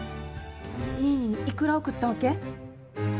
ニーニーにいくら送ったわけ？